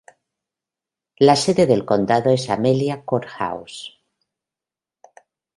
La sede de condado es Amelia Courthouse.